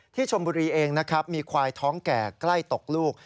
ชมบุรีเองนะครับมีควายท้องแก่ใกล้ตกลูก